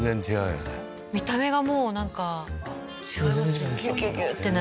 見た目がもうなんか違いますよね